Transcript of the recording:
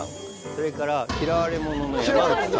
それから嫌われ者の山内さん。